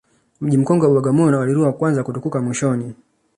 Mji mkongwe wa Bagamoyo unakadiriwa kuanza kutukuka mwishoni